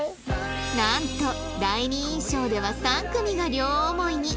なんと第二印象では３組が両思いに